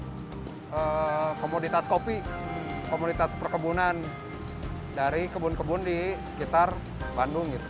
atau komunitas kopi komunitas perkebunan dari kebun kebun di sekitar bandung